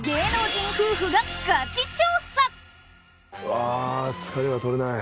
あ疲れが取れない。